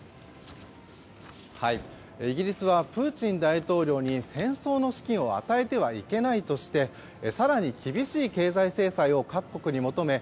イギリスはプーチン大統領に戦争の資金を与えてはいけないとして更に厳しい経済制裁を各国に求め